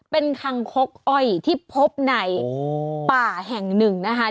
เป็นคังคกอ้อยที่พบในป่าแห่งหนึ่งนะคะ